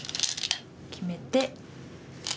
決めて。